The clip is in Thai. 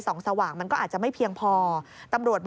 โดดลงรถหรือยังไงครับ